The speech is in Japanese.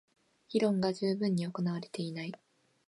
議論が充分に行われていない